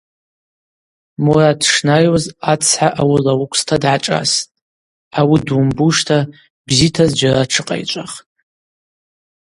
Мурат дшнайуаз ацхӏа ауыла уыквста дгӏашӏастӏ, ауи дуымбушта бзита зджьара тшыкъайчӏвахтӏ.